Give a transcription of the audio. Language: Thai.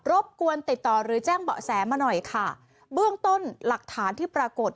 บกวนติดต่อหรือแจ้งเบาะแสมาหน่อยค่ะเบื้องต้นหลักฐานที่ปรากฏ